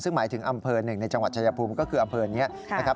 ซึ่งหมายถึงอำเภอหนึ่งในจังหวัดชายภูมิก็คืออำเภอนี้นะครับ